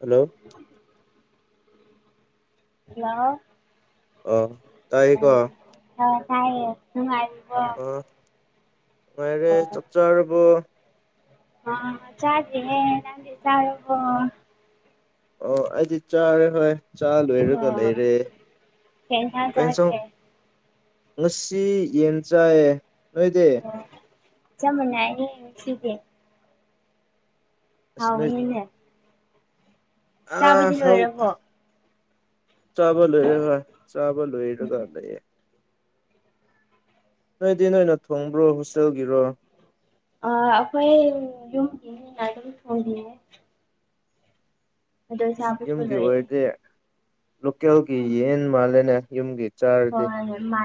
Hello! Hello! ꯑ ꯑ ꯑ ꯇꯥꯏꯌꯦ ꯅꯨꯡꯉꯥꯏꯔꯤꯕꯣ? ꯉꯥꯏꯔꯦ ꯆꯥꯛꯆꯥꯔꯕꯣ? ꯑ ꯆꯗꯔꯤꯍꯦ ꯅꯪꯗꯤ ꯆꯥꯔꯕꯣ? ꯑꯣ ꯑꯩꯗꯤ ꯆꯥꯔꯦ ꯍꯣꯏ꯫ ꯆꯥ ꯂꯣꯏꯔꯒ ꯂꯩꯔꯦ ꯏꯟꯁꯥꯡ ꯀꯩ ꯍꯦꯟꯁꯥꯡ ꯆꯥꯒꯦ ꯉꯁꯤ ꯌꯦꯟ ꯆꯥꯏꯌꯦ ꯅꯣꯏꯗꯤ꯫ ꯑꯣ ꯆꯞ ꯃꯥꯅꯩꯌꯦ ꯉꯁꯤꯗꯤ꯫ ꯑꯁ ꯅꯣꯏ ꯍꯥꯎꯕꯅꯤꯅꯦ ꯑꯥ ꯆꯥꯕꯗꯤ ꯍꯧ ꯂꯣꯏꯔꯕꯣ ꯆꯥꯕ ꯂꯣꯏꯔꯦ ꯍꯣꯏ ꯆꯥꯕ ꯂꯣꯏꯔꯒ ꯂꯩꯌꯦ꯫ ꯅꯣꯏꯗꯤ ꯅꯣꯏꯅ ꯊꯣꯡꯕ꯭ꯔꯣ ꯍꯣꯁꯇꯦꯜꯒꯤꯔꯣ꯫ ꯑ ꯑꯩꯈꯣꯏ ꯌꯨꯝꯒꯤ ꯃꯤꯅꯥ ꯑꯗꯨꯝ ꯊꯣꯡꯕꯤꯌꯦ꯫ ꯆꯥꯕꯁꯨ ꯌꯨꯝꯒꯤ ꯂꯣꯏꯔꯦ ꯑꯣꯏꯔꯗꯤ ꯂꯣꯀꯦꯜꯒꯤ ꯌꯦꯟ ꯃꯥꯜꯂꯦꯅꯦ ꯌꯨꯝꯒꯤ꯫ ꯆꯥꯔꯗꯤ ꯍꯣꯏ ꯃꯥ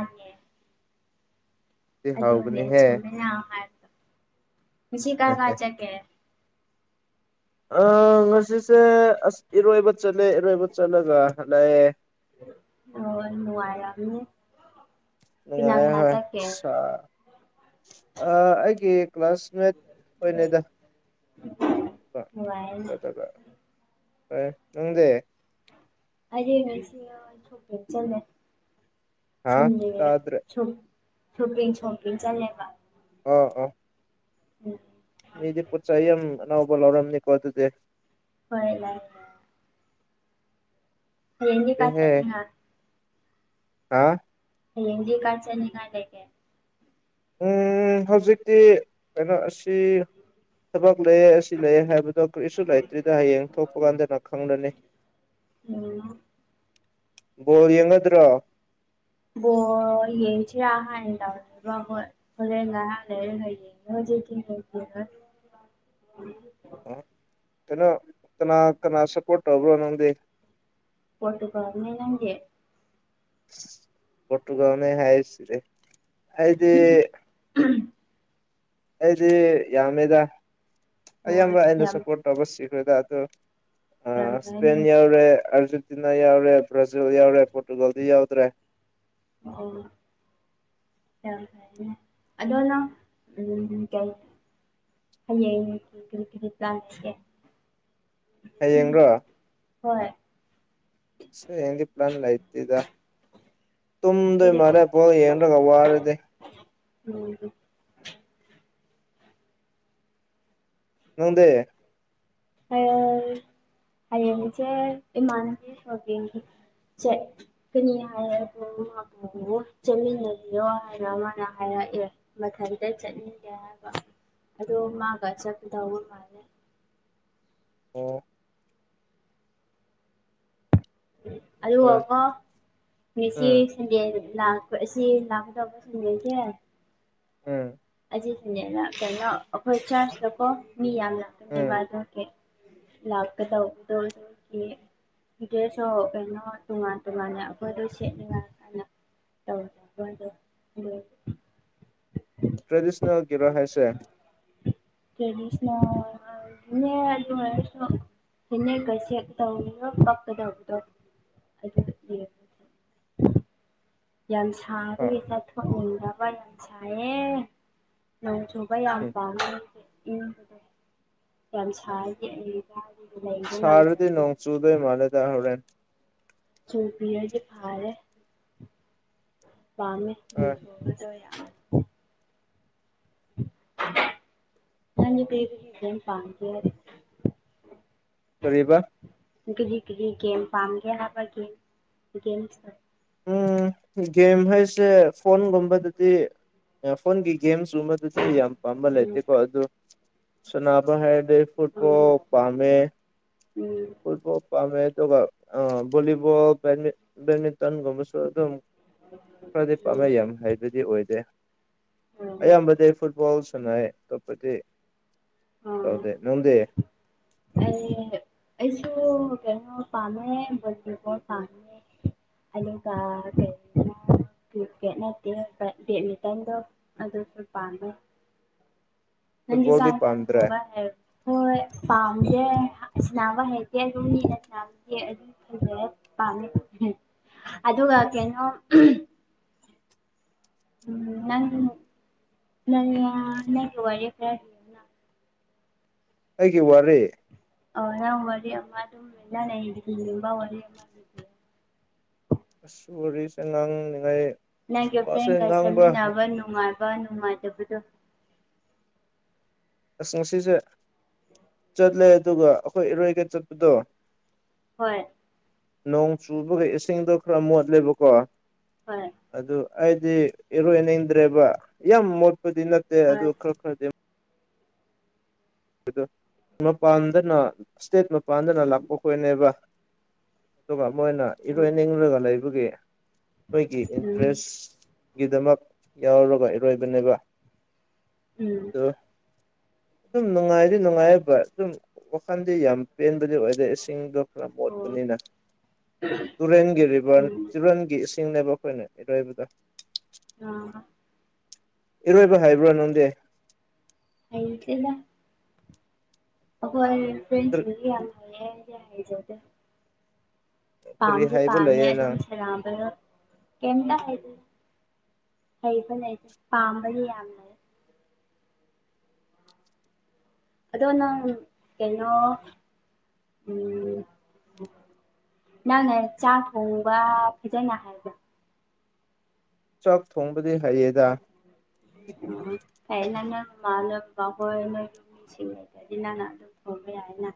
ꯗꯤ ꯑꯗꯨꯅꯦ ꯍꯥꯎꯒꯅꯤꯍꯦ ꯆꯨꯝꯃꯦ ꯌꯥꯝ ꯍꯥꯏꯕꯗꯣ ꯉꯁꯤ ꯀꯥꯏ ꯀꯥꯏ ꯆꯠꯀꯦ꯫ ꯑ ꯉꯁꯤꯁꯦ ꯑꯁ ꯏꯔꯣꯏꯕ ꯆꯠꯂꯦ ꯏꯔꯣꯏꯕ ꯆꯠꯂꯒ ꯍꯜꯂꯛꯑꯦ꯫ ꯑꯣ ꯅꯨꯡꯉꯥꯏꯔꯝꯅꯤ ꯀꯅꯥ ꯅꯨꯡꯉꯥꯏ ꯀꯅꯥ ꯍꯣꯏ ꯆꯠꯀꯦ ꯁꯥ ꯑ ꯑꯩꯒꯤ ꯀ꯭ꯂꯥꯁꯃꯦꯠ ꯍꯣꯏꯅꯦꯗ [unintelligible] ꯅꯨꯡꯉꯥꯏꯔꯦꯅꯦ [unintelligible] ꯅꯪꯗꯤ ꯑꯩꯗꯤ ꯉꯁꯤꯅ [inaudible] ꯆꯠꯂꯦ ꯍꯥ ꯇꯥꯗ꯭ꯔꯦ [unintelligible] ꯑꯥ ꯑꯥ ꯎꯝ ꯃꯤꯗꯤ ꯄꯣꯠ ꯆꯩ ꯌꯝ ꯑꯅꯧꯕ ꯂꯧꯔꯝꯅꯤꯀꯣ ꯑꯗꯨꯗꯤ ꯍꯣꯏ ꯂꯥꯏ ꯍꯌꯦꯡꯗꯤ ꯀꯥꯏ ꯆꯠꯅꯤ ꯍ ꯍ ꯍꯌꯦꯡꯗꯤ ꯀꯥꯏ ꯆꯠꯅꯤꯡꯉꯥꯏ ꯂꯩꯒꯦ ꯎꯝ ꯍꯧꯖꯤꯛꯇꯤ ꯀꯩꯅꯣ ꯑꯁꯤ ꯊꯕꯛ ꯂꯩꯌꯦ ꯑꯁꯤ ꯂꯩꯌꯦ ꯍꯥꯏꯕꯗꯣ ꯀ꯭ꯔꯤꯁꯨ ꯂꯩꯇ꯭ꯔꯤꯗ ꯍꯌꯦꯡ ꯊꯣꯛꯄ ꯀꯥꯟꯗꯅ ꯈꯪꯂꯅꯤ ꯎꯝ ꯕꯣꯜ ꯌꯦꯡꯉꯗ꯭ꯔꯣ ꯕꯣꯜ ꯌꯦꯡꯁꯤꯌ ꯍꯥꯏꯟ ꯇꯧꯔꯤꯕ ꯈꯣꯏ ꯍꯣꯔꯦꯟ ꯉꯍꯥꯛ ꯂꯩꯔꯒ [unintelligible] ꯀꯩꯅꯣ ꯀꯅꯥ ꯀꯅꯥ ꯁꯞꯄꯣꯔꯠ ꯇꯧꯕ꯭ꯔꯥ ꯅꯪꯗꯤ ꯄꯣꯔꯇꯨꯒꯜꯅꯦ ꯅꯪꯗꯦ ꯄꯣꯔꯇꯨꯒꯜꯅꯦ ꯍꯥꯏ ꯑꯁ ꯔꯦꯠ ꯑꯩꯗꯤ ꯑꯩꯗꯤ ꯌꯥꯝꯃꯦꯗ ꯍꯣꯏ ꯑꯌꯥꯝꯕ ꯑꯩꯅ ꯌꯥꯝ ꯁꯞꯄꯣꯔꯠ ꯇꯧꯕ ꯁꯤꯈ꯭ꯔꯦꯗ ꯑꯗꯣ ꯑ ꯌꯥꯝ ꯏꯁꯄꯦꯟ ꯐꯩꯅꯦ ꯌꯥꯎꯔꯦ ꯑꯥꯔꯖꯦꯟꯇꯤꯅ ꯌꯥꯎꯔꯦ ꯕ꯭ꯔꯥꯖꯤꯜ ꯌꯥꯎꯔꯦ ꯄꯣꯔꯇꯨꯒꯥꯜꯗꯤ ꯌꯥꯎꯗ꯭ꯔꯦ ꯑꯣ ꯌꯥꯝ ꯐꯩꯅꯦ ꯑꯗꯣ ꯅꯪ ꯎꯝ ꯀꯩ ꯍꯌꯦꯡ [unintelligible] ꯍꯌꯦꯡꯔꯣ ꯍꯣꯏ ꯁꯦ ꯍꯌꯦꯡꯗꯤ ꯄ꯭ꯂꯥꯟ ꯂꯩꯇꯦꯗ ꯇꯨꯝꯗꯣꯏ ꯃꯥꯔꯦ ꯕꯣꯜ ꯌꯦꯡꯔꯒ ꯋꯥꯔꯗꯤ ꯎꯝ ꯅꯪꯗꯦ ꯍꯌꯦꯡꯆꯦ ꯏꯃꯥꯟꯅꯕꯤ ꯁꯣꯄꯤꯡꯒꯤ ꯁꯦ ꯀꯅꯤ ꯍꯥꯏꯌꯦ [unintelligible] ꯆꯠꯃꯤꯟꯅꯖꯤꯌꯣ ꯍꯥꯏꯅ ꯃꯥꯅ ꯍꯥꯏꯔꯛꯑꯦ ꯃꯊꯟꯇ ꯆꯠꯅꯤꯡꯗꯦ ꯍꯥꯏꯕ ꯑꯗꯣ ꯃꯥꯒ ꯆꯠꯀꯗꯧꯕ ꯃꯥꯜꯂꯦ ꯑꯣ ꯍꯣꯏ ꯑꯂꯨꯒꯀꯣ ꯃꯤꯁꯤ ꯎꯝ ꯗꯦ ꯑꯩꯗꯣ ꯂꯥꯛꯄ ꯑꯁꯤ ꯂꯥꯛꯀꯗꯕꯁꯤꯡ ꯂꯩꯇꯦ ꯎꯝ ꯑꯗꯨꯗꯨꯅꯦꯅ ꯀꯩꯅꯣ ꯑꯈꯣꯏ ꯇꯥꯏꯞꯁꯇꯀꯣ ꯃꯤ ꯌꯥꯝ ꯎꯝ ꯂꯥꯛꯀꯅꯦꯕ ꯑꯗꯨ ꯀꯦ ꯂꯥꯛꯀꯇꯧꯕꯇꯣ ꯑꯗꯨꯒꯤ ꯗ꯭ꯔꯦꯁ ꯑꯣ ꯀꯩꯅꯣ ꯇꯣꯉꯥꯟ ꯇꯣꯉꯥꯟꯅ ꯑꯈꯣꯏꯗꯣ ꯁꯦꯠꯅꯤꯉꯥꯏ ꯍꯥꯏꯅ ꯇꯧꯅꯕꯗꯣ ꯁꯤꯜꯂꯦ ꯇ꯭ꯔꯦꯗꯤꯁꯅꯦꯜ ꯀꯤꯔ ꯍꯥꯏꯁꯦ ꯇ꯭ꯔꯦꯗꯤꯁꯅꯦꯜ ꯏꯅꯦ ꯑꯗꯨ ꯑꯣꯏꯔꯁꯨ ꯐꯤꯅꯦꯛꯀ ꯁꯦꯠꯇꯧꯅꯤ ꯉꯛ ꯀꯛꯀ ꯇꯧꯄꯇꯣ ꯑꯗꯨ ꯒꯦ ꯑꯥ ꯌꯥꯝꯁꯥꯕꯒꯤ ꯆꯠꯊꯣꯛ ꯅꯤꯡꯗꯕ ꯌꯥꯝ ꯁꯥꯏꯌꯦ ꯅꯣꯡꯖꯨ ꯕ ꯌꯥꯝ ꯎꯝ ꯄꯥꯝꯃꯦ ꯑꯩꯗꯤ ꯏꯪꯕꯗꯣ ꯌꯥꯝ ꯁꯥꯏꯌꯦ ꯑꯩ ꯀꯥꯗꯒꯤ ꯂꯩꯕ ꯁꯔꯗꯤ ꯉꯝꯖꯗꯦ ꯅꯣꯡ ꯆꯨꯗꯣꯏ ꯃꯂꯦꯗ ꯍꯣꯔꯦꯟ ꯆꯨꯕꯤꯔꯗꯤ ꯐꯥꯔꯦ ꯄꯥꯝꯃꯦ ꯑ ꯅꯣꯡ ꯆꯨꯕꯗꯣ ꯌꯥꯝ [inaudible] ꯅꯪꯗꯤ ꯀꯔꯤ ꯁꯤꯖꯟ ꯄꯥꯝꯒꯦ ꯍꯥꯏꯗꯤ ꯀꯔꯤꯑꯕꯥ ꯒꯥꯔꯤ ꯒꯥꯔꯤ ꯒꯦꯝ ꯄꯝꯒꯦ ꯍꯥꯏꯕ ꯒꯦꯝ ꯒꯦꯝꯁ ꯎꯝ ꯒꯦꯝ ꯍꯥꯏꯁꯦ ꯐꯣꯟꯒꯨꯝꯕꯗꯗꯤ ꯐꯣꯟꯒꯤ ꯒꯦꯝꯁꯀꯨꯝꯕꯗ ꯑꯗꯨꯗꯤ ꯑꯩ ꯌꯥꯝ ꯄꯥꯝꯕ ꯎꯝ ꯂꯩꯇꯦꯀꯣ ꯑꯗꯨ ꯁꯅꯥꯅꯕ ꯍꯥꯏ ꯑꯩ ꯎꯝ ꯐꯨꯠꯕꯣꯜ ꯄꯥꯝꯃꯦ ꯎꯝ ꯐꯨꯠꯕꯣꯜ ꯄꯥꯝꯃꯦ ꯑꯗꯨꯒ ꯑꯥ ꯕꯣꯂꯤꯕꯣꯜ ꯕꯠꯃꯤꯟꯇꯟꯒꯨꯝꯕꯁꯨ ꯑꯗꯨꯝ ꯈꯔꯗꯤ ꯄꯥꯝꯃꯦ ꯎꯝ ꯌꯥꯝ ꯍꯩꯕꯗꯤ ꯑꯣꯏꯗꯦ ꯎꯝ ꯑꯌꯥꯝꯕꯗꯤ ꯑꯩ ꯐꯨꯠꯕꯣꯜ ꯁꯥꯟꯅꯩ ꯑꯇꯣꯞꯄꯗꯤ ꯎꯝ ꯇꯧꯗꯦ ꯅꯪꯗꯤ ꯑꯩ ꯑꯩꯁꯨ ꯀꯩꯅꯣ ꯄꯥꯝꯃꯦ ꯍꯣꯂꯤꯕꯣꯜ ꯄꯥꯝꯃꯦ ꯑꯗꯨꯒ ꯀ꯭ꯔꯤꯀꯦꯠ ꯅꯠꯇꯦ ꯕꯦꯠꯃꯤꯟꯇꯟꯗꯣ ꯑꯗꯨꯁꯨ ꯄꯥꯝꯃꯦ [inaudible] [unintelligible] ꯄꯥꯝꯗ꯭ꯔꯦ ꯍꯣꯏ ꯄꯥꯝꯗꯦ ꯁꯥꯅꯕ ꯍꯩꯇꯦ ꯑꯗꯨꯝ ꯃꯤꯅ ꯁꯥꯅꯕ ꯄꯥꯝꯃꯤ ꯑꯗꯨꯒ ꯀꯩꯅꯣ ꯅꯪ ꯅꯪ ꯅꯪ ꯂꯣꯏꯔꯦꯍꯦ ꯑꯩꯒꯤ ꯋꯥꯔꯤ ꯑꯥ ꯅꯪ ꯋꯥꯔꯤ ꯑꯃ ꯑꯗꯨꯝ ꯂꯤꯕꯤꯌꯣ ꯑꯁ ꯋꯥꯔꯤꯁꯦ ꯉꯥꯡꯂꯤꯉꯥꯏ ꯅꯪꯒꯤ ꯐ꯭ꯔꯦꯟꯒ ꯁꯦꯝꯃꯤꯟꯅꯕ ꯅꯨꯡꯉꯥꯏꯕ ꯅꯨꯡꯉꯥꯏꯇꯕꯗꯣ ꯑꯁ ꯉꯁꯤꯁꯦ ꯆꯠꯂꯦ ꯑꯗꯨꯒ ꯑꯩꯈꯣꯏ ꯏꯔꯣꯏꯒ ꯆꯠꯄꯗꯣ ꯍꯣꯏ ꯅꯣꯡ ꯆꯨꯕꯒ ꯏꯁꯤꯡꯗꯣ ꯈꯔ ꯃꯣꯠꯂꯦꯕꯀꯣ ꯍꯣꯏ ꯑꯗꯨ ꯑꯩꯗꯤ ꯏꯔꯣꯏꯅꯤꯡꯗ꯭ꯔꯦꯕ ꯌꯥꯝ ꯃꯣꯠꯄꯗꯤ ꯅꯠꯇꯦ ꯑꯗꯨ ꯍꯣꯏ ꯈꯔ ꯈꯔ ꯑꯗꯨ ꯃꯄꯥꯟꯗꯅ ꯏꯁꯇꯦꯠ ꯃꯄꯥꯟꯗꯅ ꯂꯥꯛꯄ ꯈꯣꯏꯅꯦꯕ ꯑꯗꯨꯒ ꯃꯣꯏꯅ ꯏꯔꯣꯏꯅꯤꯡꯂꯒ ꯂꯩꯕꯒꯤ ꯅꯣꯏꯒꯤ ꯎꯝ ꯏꯟꯇꯔꯦꯁ ꯒꯤꯗꯃꯛ ꯌꯥꯎꯔꯒ ꯏꯔꯣꯏꯕꯅꯦꯕ ꯎꯝ [unintelligible] ꯑꯗꯨꯝ ꯅꯨꯡꯉꯥꯏꯗꯤ ꯅꯨꯡꯉꯥꯏꯕ ꯑꯗꯨꯝ ꯋꯥꯈꯜꯗꯤ ꯌꯥꯝ ꯄꯦꯟꯕꯗꯤ ꯑꯣꯏ ꯗꯦ ꯏꯁꯤꯡꯗꯣ ꯈꯔ ꯎꯝ ꯑꯣ ꯃꯣꯠꯄꯅꯤꯅ ꯇꯨꯔꯦꯟꯒꯤ ꯔꯤꯚꯔ ꯎꯝ ꯇꯨꯔꯦꯟꯒꯤ ꯏꯁꯤꯡꯅꯦꯕ ꯑꯈꯣꯏꯅ ꯏꯔꯣꯏꯕꯗ [unintelligible] ꯏꯔꯣꯏꯕ ꯍꯩꯕꯔꯥ ꯅꯪꯗꯤ ꯍꯩꯇꯦꯗ ꯑꯈꯣꯢ ꯐ꯭ꯔꯦꯟꯁꯤꯡꯗꯤ ꯌꯥꯝ ꯍꯩꯌꯦ ꯑꯩꯗꯤ ꯍꯩꯖꯗꯦ ꯀꯔꯤ ꯄꯥꯝꯗꯤ ꯍꯥꯏꯕ ꯄꯥꯝꯃꯤ ꯂꯩꯌꯦ ꯑꯗꯨꯝ ꯅꯪ ꯀꯩꯝꯇ ꯍꯩ ꯍꯩꯕꯅꯦ ꯄꯥꯝꯕꯗꯤ ꯌꯥꯝ ꯂꯩ ꯑꯗꯣ ꯅꯪ ꯀꯩꯅꯣ ꯎꯝ ꯃꯥꯅꯦ ꯆꯥꯛ ꯊꯣꯡꯕ ꯐꯖꯅ ꯍꯩꯕ꯫ ꯆꯥꯛ ꯊꯣꯡꯕꯗꯤ ꯍꯩꯌꯦ꯫ ꯎꯝ ꯐꯩꯌꯦꯅ ꯅꯣꯢ ꯃꯃꯥꯅ, ꯃꯥꯍꯣꯏ ꯅꯣꯏ ꯌꯨꯝ ꯃꯤꯁꯤꯡ ꯂꯩꯇ꯭ꯔꯗꯤ ꯅꯪꯅ ꯑꯗꯨꯝ ꯊꯣꯡꯕ ꯌꯥꯏꯅ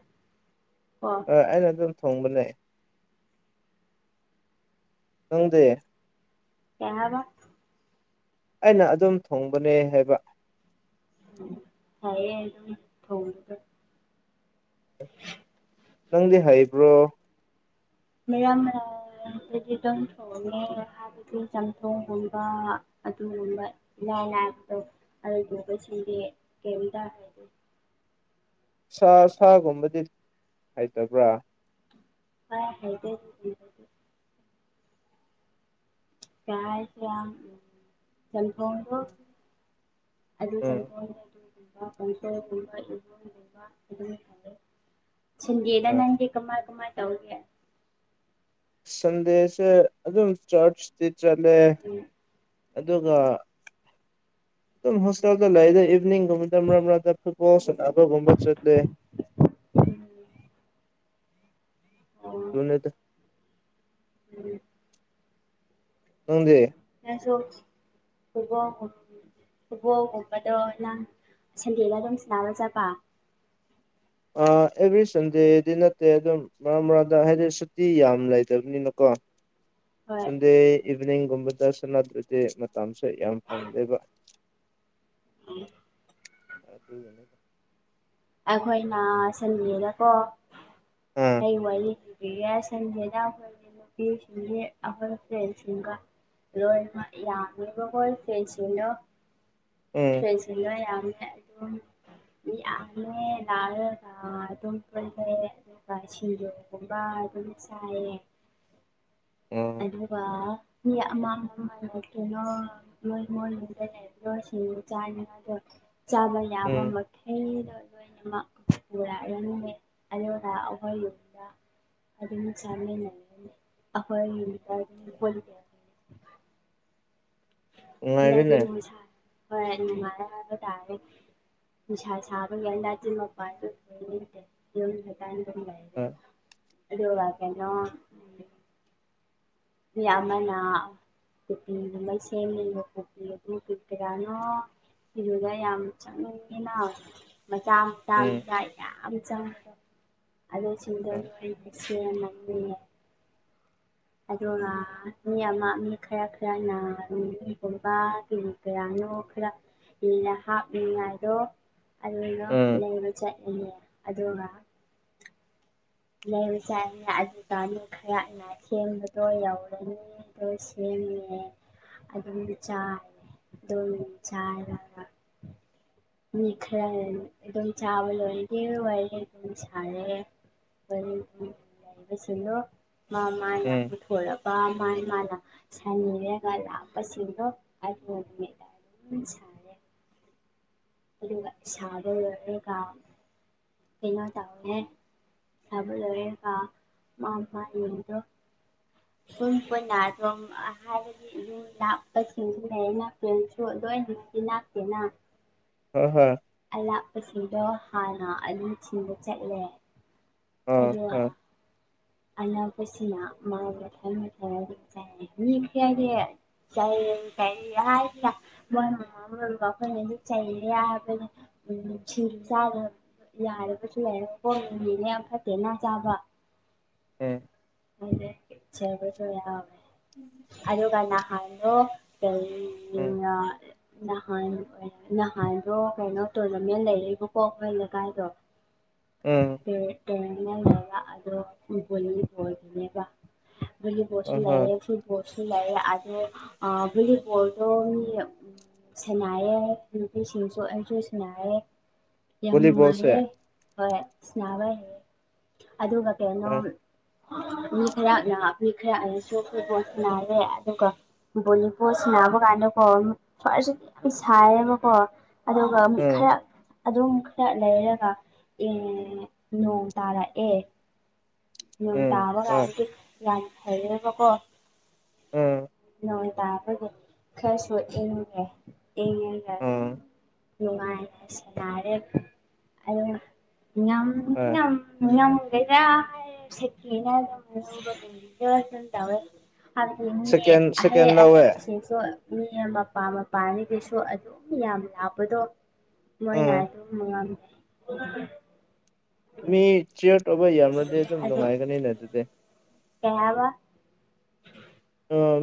ꯀꯣ꯫ ꯍꯣꯏ ꯑꯩꯅ ꯑꯗꯨꯝ ꯊꯣꯡꯕꯅꯦ꯫ ꯅꯪꯗꯤ? ꯀꯩ ꯍꯥꯢꯕ? ꯑꯩꯅ ꯑꯗꯨꯝ ꯊꯣꯡꯕꯅꯦ ꯍꯥꯏꯕ꯫ ꯎꯝ ꯐꯩꯌꯦ ꯑꯗꯨꯝ ꯊꯣꯡꯕꯗꯣ꯫ ꯅꯪꯗꯤ ꯍꯩꯕ꯭ꯔꯣ? ꯃꯌꯥꯟ ꯃꯌꯥꯟ꯫ [unintelligible] ꯊꯣꯡꯉꯦ ꯍꯥꯏꯕꯗꯤ ꯆꯝꯊꯣꯡꯒꯨꯝꯕ ꯑꯗꯨꯒꯨꯝꯕ꯫ ꯢꯅꯥꯢ ꯅꯥꯏꯕꯗꯣ ꯑꯗꯨꯒꯨꯝꯕꯁꯤꯡꯗꯤ ꯀꯩꯝꯇ ꯍꯩꯗꯦ꯫ ꯁꯥ ꯁꯥꯒꯨꯝꯕꯗꯤ ꯍꯩꯇꯕ꯭ꯔꯥ? ꯈꯔ ꯍꯩꯇꯦ [unintelligible] [unintelligible] ꯆꯝꯊꯣꯛꯗꯣ꯫ ꯑꯗꯨ ꯆꯝꯊꯣꯡꯗꯣ ꯑꯗꯨꯝ꯫ [unintelligible] ꯀꯥꯡꯁꯣꯢ ꯒꯨꯝꯕ ꯢꯟꯖꯥꯡꯒꯨꯝꯕ ꯐꯖꯅ ꯊꯣꯡꯉꯦ ꯁꯤꯟꯗꯦꯗ ꯑꯥ ꯅꯪꯗꯤ꯫ ꯀꯃꯥꯢ ꯀꯃꯥꯢ ꯇꯧꯒꯦ? ꯁꯟꯗꯦꯁꯦ ꯑꯗꯨꯝ ꯆꯔꯆꯇꯤ ꯆꯠꯂꯦ꯫ ꯎꯝ ꯑꯗꯨꯒ ꯑꯗꯨꯝ ꯍꯣꯁꯇꯦꯜꯗ ꯂꯩꯌꯦꯗ ꯑꯌꯨꯛ ꯇꯨꯝꯅꯤꯡꯗꯕꯤꯗ ꯃꯔꯛ ꯃꯔꯛꯇ ꯐꯨꯠꯕꯣꯜ ꯁꯥꯟꯅꯕꯒꯨꯝꯕ ꯆꯠꯂꯦ꯫ ꯑꯣ ꯑꯗꯨꯅꯦꯗ꯫ ꯎꯝ ꯅꯪꯗꯤ? ꯑꯩꯁꯨ ꯐꯨꯠꯕꯣꯜꯒꯨꯝ ꯐꯨꯠꯕꯣꯜꯒꯨꯝꯕꯗꯣ ꯅꯪ ꯁꯟꯗꯦꯗ ꯑꯗꯨꯝ ꯁꯥꯟꯅꯕ ꯆꯠꯄ? ꯑꯥ ꯑꯦꯕ꯭ꯔꯤ ꯁꯟꯗꯦꯗꯤ ꯅꯠꯇꯦ ꯑꯗꯨꯝ, ꯃꯔꯛ ꯃꯔꯛꯇ ꯍꯥꯏꯗꯤ ꯁꯨꯇꯤ ꯌꯥꯝ ꯂꯩꯇꯕꯅꯤꯅꯀꯣ꯫ ꯍꯣꯏ ꯁꯟꯗꯦ ꯏꯚꯤꯅꯤꯡꯒꯨꯝꯕꯗ ꯁꯥꯟꯅꯗ꯭ꯔꯗꯤ ꯃꯇꯝꯁꯦ ꯌꯥꯝ ꯐꯪꯗꯦꯕ꯫ ꯎꯝ ꯑꯗꯨꯒꯤꯅꯤꯗ꯫ ꯑꯩꯈꯣꯏꯅ ꯃꯥ ꯁꯟꯗꯦꯗꯀꯣ ꯑꯥ ꯑꯩ ꯋꯥꯔꯤ ꯂꯤꯌꯦ ꯁꯟꯗꯦꯗ ꯑꯩꯈꯣꯢꯒꯤ ꯅꯨꯄꯤꯁꯤꯡꯗꯤ ꯑꯩꯈꯣꯏ ꯐ꯭ꯔꯦꯟꯁꯤꯡꯒ ꯂꯣꯏꯅꯃꯛ ꯌꯥꯝꯃꯦꯕ ꯈꯣꯢ ꯐ꯭ꯔꯦꯟꯁꯤꯡꯗꯣ꯫ ꯎꯝ [unintelligible] ꯁꯤꯡꯗꯣ ꯌꯥꯝꯃꯦ ꯑꯗꯨꯝ꯫ ꯃꯤ ꯌꯥꯝꯃꯦ ꯅꯥꯔꯒ ꯑꯗꯨꯝ [unintelligible] ꯑꯗꯨꯒ ꯁꯤꯡꯖꯨꯒꯨꯝꯕ ꯑꯗꯨꯝ ꯆꯥꯏꯌꯦ꯫ [inaudible] ꯑꯗꯨꯒ, ꯃꯤ ꯑꯃ [unintelligible] ꯀꯩꯅꯣ ꯃꯣꯏ ꯃꯣꯏꯔꯨꯝꯗ ꯂꯩꯕꯗꯣ ꯁꯤꯡ ꯆꯥꯅꯤꯉꯥꯢꯗꯣ ꯆꯥꯕ ꯌꯥꯕ ꯎꯝ ꯃꯛ ꯍꯩꯗꯣ ꯂꯣꯏꯅꯃꯛ ꯄꯨꯔꯛꯔꯅꯤꯌꯦ ꯑꯗꯨꯒ ꯑꯩꯈꯣꯏ ꯌꯨꯝꯗ, ꯑꯗꯨꯝ ꯆꯥꯃꯤꯟꯅꯔꯅꯤ ꯑꯈꯣꯢ ꯌꯨꯝꯗ ꯑꯗꯨꯝ ꯄꯨꯜꯂꯦ꯫ ꯅꯨꯡꯉꯥꯏꯔꯦꯅꯦ [unintelligible] ꯑꯥ [unintelligible] ꯑꯗꯨꯒ ꯀꯩꯅꯣ ꯌꯥꯝꯃꯅꯥ [unintelligible] ꯐꯤꯗꯨꯗ ꯌꯥꯝ ꯆꯪꯅꯤꯡꯅꯤꯅ ꯃꯆꯥ ꯎꯝ ꯑ [unintelligible] ꯑꯗꯨꯒ ꯃꯤ ꯑꯃ ꯃꯤ ꯈꯔ ꯈꯔꯅ ꯃꯤꯒꯨꯝꯕꯒꯤ ꯀꯌꯥꯅꯣ ꯈꯔ ꯏꯟꯅ ꯍꯥꯞꯅꯤꯡꯉꯥꯏꯔꯣ ꯑꯗꯨꯅ ꯎꯝ ꯂꯩꯕ ꯆꯠꯂꯅꯦ ꯑꯗꯨꯒ ꯂꯩꯕ ꯆꯥꯅ ꯑꯗꯨ ꯇꯅꯤ ꯈꯔꯅ ꯁꯦꯝꯕꯗꯣ ꯌꯧꯔꯅꯤ [unintelligible] [unintelligible] [unintelligible] ꯎꯝ ꯏꯄꯥ ꯃꯥ ꯃꯥꯅ ꯁꯅꯤꯔꯒ ꯂꯥꯛꯄꯁꯤꯡꯗꯣ ꯍꯥꯏ ꯅꯨꯃꯤꯠ ꯎꯝ ꯑꯗꯨꯒ ꯁꯥꯕ ꯂꯣꯏꯔꯒ [unintelligible] [unintelligible] [unintelligible] ꯑꯣ ꯍꯣ ꯑꯂꯥꯞꯄꯁꯤꯡꯗꯣ ꯍꯥꯟꯅ ꯊꯤꯟꯕ ꯆꯠꯂꯦ ꯑꯥ ꯑꯗ ꯑꯥ ꯑꯅꯥꯄꯁꯤꯅ [unintelligible] [unintelligible] [unintelligible] [unintelligible] [unintelligible] ꯑꯦ [unintelligible] ꯎꯝ ꯑꯔꯒ ꯅꯍꯥꯟꯗꯣ ꯎꯝ ꯅꯍꯟ ꯅꯍꯥꯟꯗꯣ ꯀꯩꯅꯣ [unintelligible] ꯎꯝ [unintelligible] ꯑꯍꯣꯏ [unintelligible] [unintelligible] [unintelligible] [unintelligible] ꯚꯣꯂꯤꯕꯣꯜꯁꯦ ꯍꯣꯏ ꯃꯤ ꯈꯔꯅ ꯃꯤ ꯈꯔꯅꯤꯁꯨ ꯐꯨꯠꯕꯣꯜ ꯁꯅꯔꯦ ꯑꯗꯨꯒ ꯕꯣꯂꯤꯕꯣꯠ ꯁꯅꯕ ꯀꯥꯟꯗꯀꯣ ꯈꯔꯁꯨ ꯌꯥꯝ ꯁꯥꯏꯌꯦꯕꯀꯣ ꯑꯗꯨꯒ ꯃꯤ ꯎꯝ ꯈꯔ ꯑꯗꯨꯝ ꯈꯔ ꯂꯩꯔꯒ ꯏꯪ ꯅꯣꯡ ꯇꯥꯔꯛꯑꯦ ꯄꯦꯡ ꯎꯝ ꯇꯥꯕ ꯍꯣꯏ ꯀꯗꯤ ꯌꯥꯃ ꯐꯩꯌꯦꯕꯀꯣ ꯎꯝ ꯈꯔꯁꯨ ꯏꯡꯉꯒꯦ ꯏꯡꯉꯒ ꯑꯗꯨꯝ ꯎꯝ ꯅꯨꯡꯉꯥꯏꯅ ꯁꯥꯟꯅꯔꯦ ꯑꯗꯨꯒ ꯉꯝꯗꯤ ꯍꯣꯏ ꯉꯝ ꯉꯜꯒꯦꯔ [unintelligible] ꯇꯧꯋꯦ ꯍꯥꯟꯅ ꯌꯦꯡꯉꯨꯅꯦ ꯁꯦꯀꯦꯟ ꯑꯍꯩ ꯁꯦꯀꯦꯟ ꯂꯧꯋꯦ ꯑꯍꯩꯕꯁꯤꯡꯁꯨ ꯃꯤ ꯃꯄꯥ ꯃꯄꯥꯟꯒꯤꯁꯨ ꯑꯗꯨꯝ ꯌꯥꯝ ꯂꯥꯛꯄꯗꯣ ꯃꯣꯏꯅ ꯎꯝ ꯑꯗꯨꯝ [unintelligible] ꯃꯤ ꯆꯤꯌꯔ ꯇꯧꯕ ꯌꯥꯝꯔꯗꯤ ꯑꯗꯨꯝ ꯅꯨꯡꯉꯥꯏꯒꯅꯤꯅꯦ ꯑꯗꯨꯗꯤ ꯀꯩꯍꯥꯏꯕ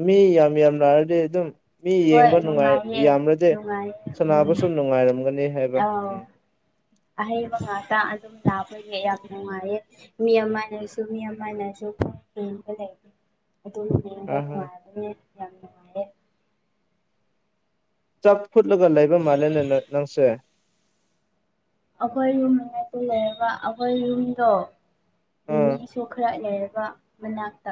ꯃꯤ ꯌꯥꯝ ꯌꯥꯝ ꯂꯥꯛꯔꯗꯤ ꯑꯗꯨꯝ ꯃꯤ ꯍꯣꯏ ꯌꯦꯡꯕ ꯅꯨꯡꯉꯥꯏ ꯅꯨꯡꯉꯥꯏꯌꯦ ꯌꯥꯝꯔꯗꯤ ꯅꯨꯡꯉꯥꯏꯌꯦ ꯎꯝ ꯁꯥꯟꯅꯕꯁꯨ ꯅꯨꯡꯉꯥꯏꯔꯝꯒꯅꯤ ꯍꯥꯏꯕ ꯎꯝ [inaudible] ꯑꯍꯩ ꯉꯥꯇ ꯑꯗꯨꯝ ꯂꯥꯛꯄꯒꯤ ꯌꯥꯝ ꯅꯨꯡꯉꯥꯏꯌꯦ ꯃꯤ ꯑꯃꯥꯟꯅꯁꯨ ꯃꯤ ꯑꯃꯥꯟꯅꯁꯨ ꯑꯗꯨꯝ ꯍꯦꯟꯕ ꯂꯩ ꯑꯗꯨꯅ ꯌꯦꯡꯕ ꯍꯣꯏ ꯍꯣꯏ ꯅꯨꯡꯉꯥꯏꯕꯅꯦ ꯌꯥꯝꯅ ꯆꯥꯛ ꯐꯨꯠꯂꯒ ꯂꯩꯕ ꯃꯥꯜꯂꯦꯅꯦ ꯅꯪꯁꯦ ꯑꯩꯈꯣꯏ ꯌꯨꯝ ꯃꯅꯥꯛꯇ ꯂꯩꯑꯕ ꯑꯩꯈꯣꯏ ꯌꯨꯝꯗꯣ ꯑꯥ ꯃꯤꯃꯤꯁꯨ ꯈꯔ ꯂꯩꯔꯕ ꯃꯅꯥꯛꯇ